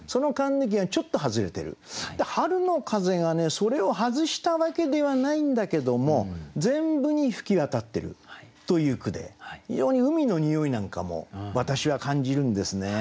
「春の風」がねそれを外したわけではないんだけども全部に吹き渡ってるという句で非常に海のにおいなんかも私は感じるんですね。